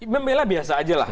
membela biasa aja lah